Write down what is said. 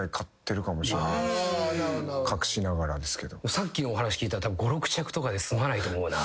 さっきのお話聞いたら５６着とかで済まないと思う。